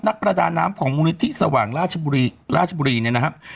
ประดาน้ำของมูลนิธิสว่างราชบุรีราชบุรีเนี่ยนะครับ